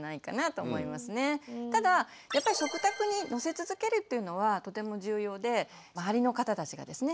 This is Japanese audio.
ただ食卓にのせ続けるっていうのはとても重要で周りの方たちがですね